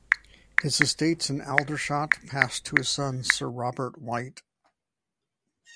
His estates in Aldershot passed to his son Sir Robert White.